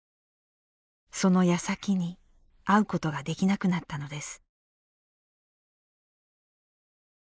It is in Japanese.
その矢先に会うことができなくなったのです。